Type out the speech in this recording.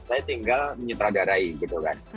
saya tinggal menyutradarai gitu kan